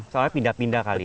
salahnya pindah pindah kali ya